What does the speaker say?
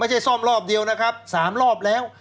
ซ่อมรอบเดียวนะครับ๓รอบแล้ว